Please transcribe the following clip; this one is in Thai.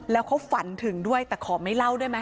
แล้วเขาฝันถึงด้วยแต่ขอไม่เล่าได้ไหม